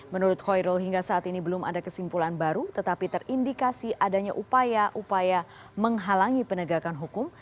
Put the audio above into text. menurut khairul hingga saat ini belum ada kesimpulan baru tetapi terindikasi adanya upaya upaya menghalangi penegakan hukum